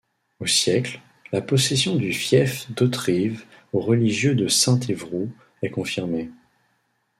Au siècle, la possession du fief d’Hauterive aux religieux de Saint-Évroult est confirmée.